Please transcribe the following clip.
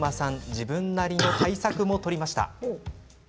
自分なりの対策も取りました。